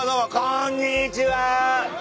こんにちは。